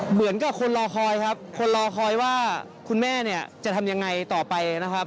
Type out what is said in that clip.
เหมือนกับคนรอคอยครับคนรอคอยว่าคุณแม่เนี่ยจะทำยังไงต่อไปนะครับ